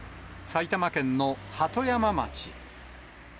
埼玉県の鳩山町。